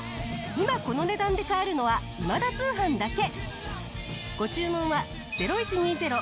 今この値段で買えるのは『今田通販』だけ。